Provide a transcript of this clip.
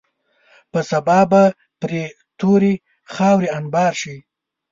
په سبا به پرې تورې خاورې انبار شي.